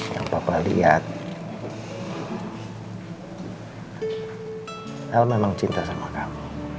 yang papa lihat al memang cinta sama kamu